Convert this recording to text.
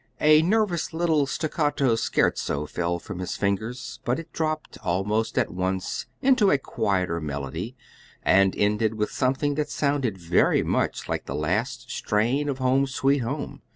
A nervous little staccato scherzo fell from his fingers, but it dropped almost at once into a quieter melody, and ended with something that sounded very much like the last strain of "Home, Sweet Home."